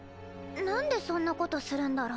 なんでそんなことするんだろう。